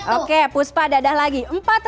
oke puspa dadah lagi